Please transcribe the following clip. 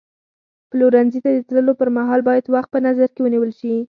پلورنځي ته د تللو پر مهال باید وخت په نظر کې ونیول شي.